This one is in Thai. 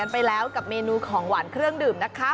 ไปแล้วกับเมนูของหวานเครื่องดื่มนะคะ